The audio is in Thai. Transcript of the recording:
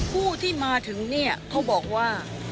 ผู้ที่มาถึงเนี่ยเขาบอกว่า